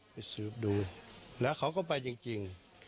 ไปสืบดูแล้วเขาก็ไปจริง